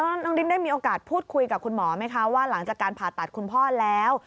น้องดิ้นได้มีโอกาสพูดคุยกับคุณหมอไหมคะว่าหลังจากการผ่าตัดคุณพ่อแล้ว